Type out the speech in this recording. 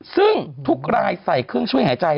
ซึ่งทุกรายใส่เครื่องช่วยหายใจ